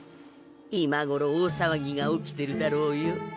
今ごろ大さわぎが起きてるだろうよ。